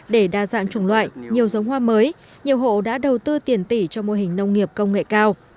để đa dạng chủng loại nhiều giống hoa mới nhiều hộ đã đầu tư tiền tỷ cho mô hình nông nghiệp công nghệ cao